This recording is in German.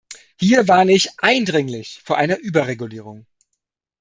Hier warne ich eindringlich vor einer Überregulierung.